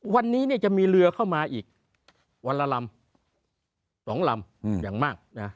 วันนี้จะมีเรือเข้ามาอีกวันละลำ๒ลำอย่างมากนะ